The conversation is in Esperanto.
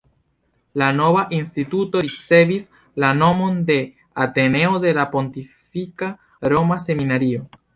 La nova Instituto ricevis la nomon de “Ateneo de la Pontifika Roma Seminario”.